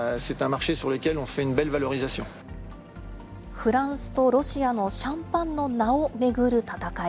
フランスとロシアのシャンパンの名を巡る闘い。